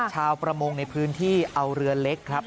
ชาวประมงในพื้นที่เอาเรือเล็กครับ